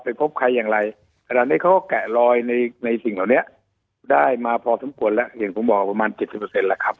ไปพบใครอย่างไรอันนี้เขาก็แกะลอยในสิ่งเหล่านี้ได้มาพอทั้งหมดแล้วอย่างผมบอกประมาณ๗๐แล้วครับ